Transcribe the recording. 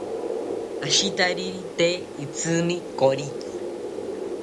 Ashitariri tee itrsimi koriki